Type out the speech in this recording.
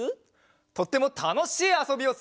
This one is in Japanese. とってもたのしいあそびをするよ！